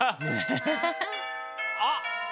あっ。